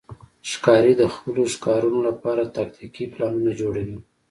ښکاري د خپلو ښکارونو لپاره تاکتیکي پلانونه جوړوي.